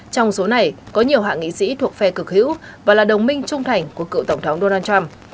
trong số này có nhiều hạ nghị sĩ thuộc phe cực hữu và là đồng minh trung thành của cựu tổng thống donald trump